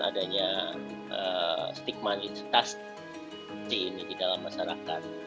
adanya stigma negatif ini di dalam masyarakat